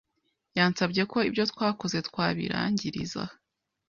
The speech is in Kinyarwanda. yansabye ko ibyo twakoze twabirangiriza